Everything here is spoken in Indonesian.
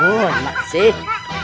oh emak sih